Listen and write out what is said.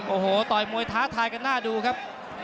โอ้โหต่อยมวยท้าทายกันหน้าดูครับ